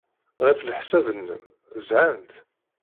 Ɣef leḥsab-nnem, zhant?